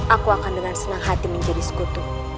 aku akan dengan senang hati menjadi sekutu